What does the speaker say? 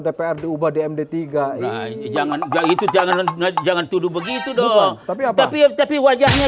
dpr diubah di md tiga ya jangan itu jangan jangan tuduh begitu dong tapi tapi wajahnya